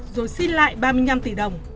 rồi xin lại ba mươi năm tỷ đồng